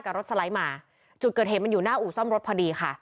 กับรถสไลด์มาจุดเกิดเหตุมันอยู่หน้าอู่ซ่อมรถพอดีค่ะ